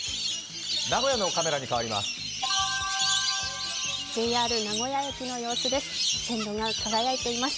名古屋のカメラに変わります。